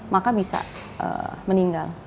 maka bisa meninggal